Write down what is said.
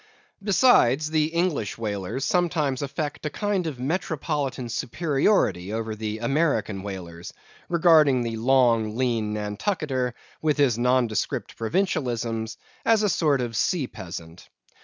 Besides, the English whalers sometimes affect a kind of metropolitan superiority over the American whalers; regarding the long, lean Nantucketer, with his nondescript provincialisms, as a sort of sea peasant.